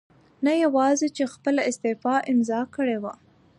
نه یواځې چې خپله استعفاء امضا کړې وه